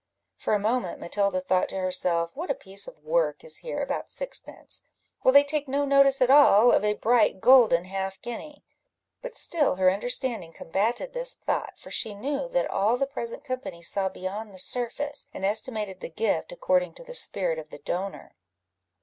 For a moment, Matilda thought to herself, what a piece of work is here about sixpence, while they take no notice at all of a bright golden half guinea! but still her understanding combated this thought, for she knew that all the present company saw beyond the surface, and estimated the gift according to the spirit of the donor.